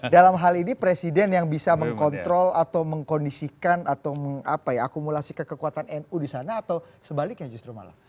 dalam hal ini presiden yang bisa mengkontrol atau mengkondisikan atau akumulasi kekekuatan nu di sana atau sebaliknya justru malah